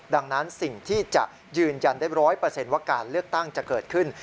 ดังนั้นสิ่งที่จะยืนยันได้๑๐๐ว่าการเลือกตั้งจะเกิดขึ้น